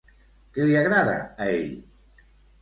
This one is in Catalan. Què li agrada a ell?